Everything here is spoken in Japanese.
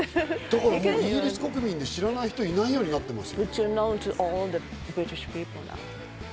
イギリス国民で知らない人、いないようになってますよ。